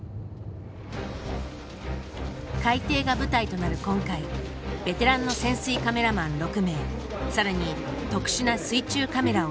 海底が舞台となる今回ベテランの潜水カメラマン６名更に特殊な水中カメラを用意。